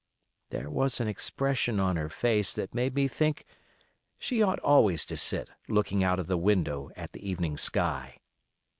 There was an expression on her face that made me think she ought always to sit looking out of the window at the evening sky.